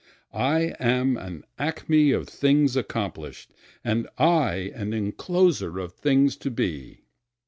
I am an acme of things accomplish'd, and I an encloser of things to be.